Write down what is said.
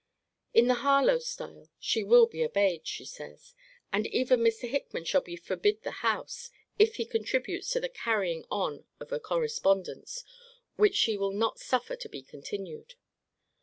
In the Harlowe style, She will be obeyed, she says: and even Mr. Hickman shall be forbid the house, if he contributes to the carrying on of a correspondence which she will not suffer to be continued.